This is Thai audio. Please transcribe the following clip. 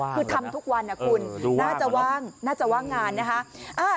คือทำทุกวันคุณน่าจะว่างงานนะคะ